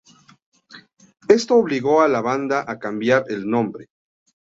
Esto obligó a la banda a cambiar el nombre.